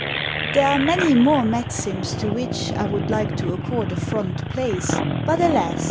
_ There are many more Maxims to which I would like to accord a front place, But alas!